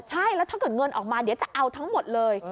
ใช่แล้วถ้าเกิดเงินออกมาเดี๋ยวจะเอาทั้งหมดเลย